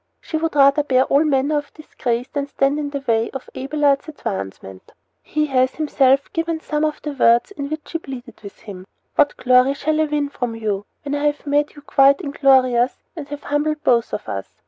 She would rather bear all manner of disgrace than stand in the way of Abelard's advancement. He has himself given some of the words in which she pleaded with him: What glory shall I win from you, when I have made you quite inglorious and have humbled both of us?